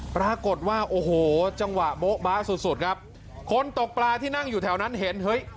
ปรากฏว่าโอ้โหจังหวะโบ๊ะบ๊ะสุดสุดครับคนตกปลาที่นั่งอยู่แถวนั้นเห็นเฮ้ย